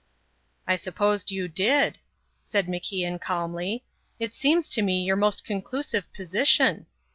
"I supposed you did," said MacIan calmly. "It seems to me your most conclusive position."